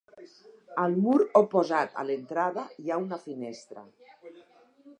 Al mur oposat a l'entrada hi ha una finestra.